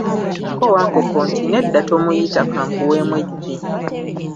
Kko Wankoko nti, "nedda tomuyita kankuweemu eggi."